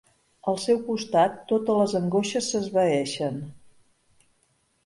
Al seu costat, totes les angoixes s'esvaeixen.